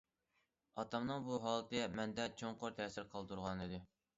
ئاتامنىڭ بۇ ھالىتى مەندە چوڭقۇر تەسىر قالدۇرغانىدى.